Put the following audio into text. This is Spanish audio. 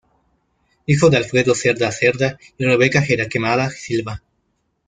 Hijo de Alfredo Cerda Cerda y Rebeca Jaraquemada Silva.